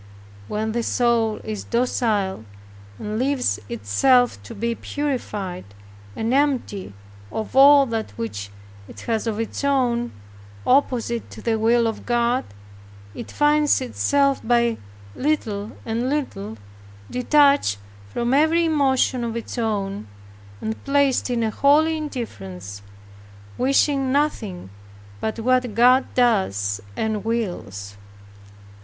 When the soul is docile, and leaves itself to be purified, and emptied of all that which it has of its own, opposite to the will of God, it finds itself by little and little, detached from every emotion of its own, and placed in a holy indifference, wishing nothing but what God does and wills.